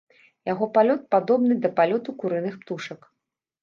Яго палёт падобны да палёту курыных птушак.